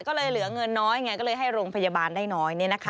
ก็เลยเหลือเงินน้อยไงก็เลยให้โรงพยาบาลได้น้อย